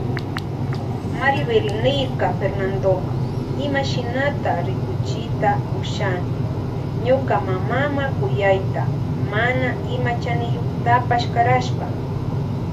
Maribel niyrka Fernandoma ima shinata rikuchita ushani ñuka mamama kuyayta mana ima chaniyuktapash karashpa.